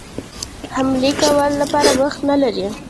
حملې کولو لپاره وخت نه لري.